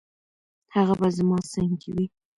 هغه به زما څنګ کې وي.